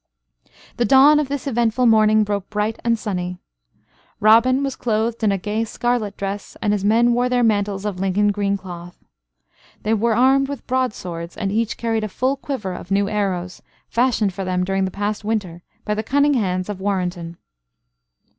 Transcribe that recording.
The dawn of this eventful morning broke bright and sunny. Robin was clothed in a gay scarlet dress and his men wore their mantles of Lincoln green cloth. They were armed with broadswords, and each carried a full quiver of new arrows, fashioned for them during the past winter by the cunning hands of Warrenton.